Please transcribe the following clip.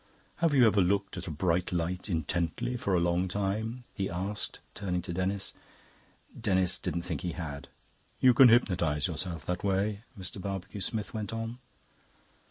"Have you ever looked at a bright light intently for a long time?" he asked, turning to Denis. Denis didn't think he had. "You can hypnotise yourself that way," Mr. Barbecue Smith went on.